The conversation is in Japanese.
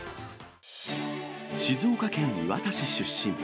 静岡県磐田市出身。